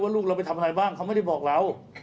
ลูกเราไปทำอะไรบ้างเขาไม่ได้บอกเรา